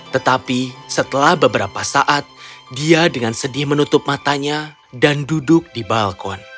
tetapi setelah beberapa saat dia dengan sedih menutup matanya dan duduk di balkon